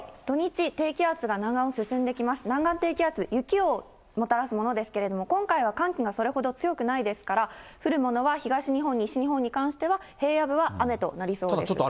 土日、低気圧が南岸を進んできます、南岸低気圧、雪をもたらすものですけれども、今回は寒気がそれほど強くないですから、降るものは東日本、西日本に関しては、平野部は雨となりそうです。